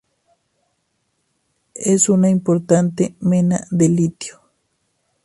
Es una importante mena de litio.